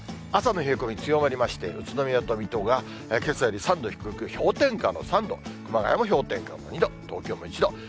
朝の冷え込み強まりまして、宇都宮と水戸がけさより３度低く、氷点下の３度、熊谷も氷点下の２度、東京も１度。